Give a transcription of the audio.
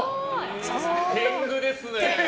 天狗ですね。